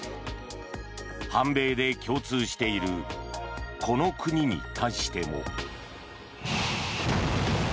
反米で共通しているこの国に対しても。